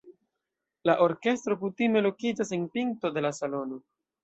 La orkestro kutime lokiĝas en pinto de la salono.